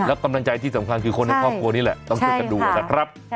แล้วกำลังใจที่สำคัญคือคนในครอบครัวนี่แหละต้องช่วยกันดูนะครับ